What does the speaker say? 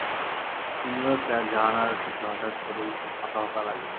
তিন রুমের ফ্ল্যাট জাহানারার কাছে হঠাৎ করেই খুব ফাঁকা ফাঁকা লাগে।